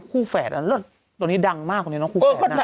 คุณแม่ตอนนี้ดังมากเลยเท่านั้น